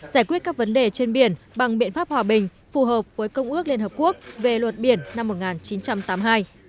giải quyết các vấn đề trên biển bằng biện pháp hòa bình phù hợp với công ước liên hợp quốc về luật biển năm một nghìn chín trăm tám mươi hai